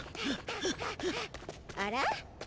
あら？